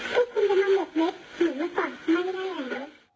พี่คุณจะมาหมดเล็กอยู่มาก่อนไม่ได้อะไรเลย